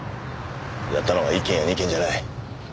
やったのは１件や２件じゃない。